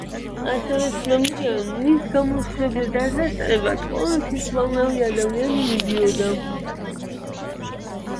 ასევე ცნობილია, რომ მის გამოსვლებზე დასასწრებად ყოველთვის უამრავი ადამიანი მიდიოდა.